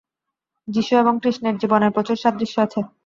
যীশু এবং কৃষ্ণের জীবনের প্রচুর সাদৃশ্য আছে।